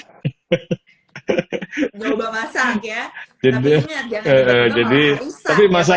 tapi ingat jangan dikutuk harus masak